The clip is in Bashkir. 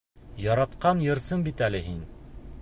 Яратҡан йырсым бит әле һин!